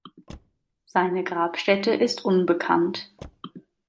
Seine Grabstätte ist unbekannt.